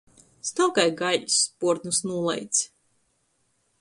Stuov kai gaiļs, spuornus nūlaids.